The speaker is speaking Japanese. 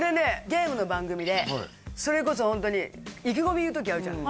ゲームの番組でそれこそホントに意気込み言う時あるじゃん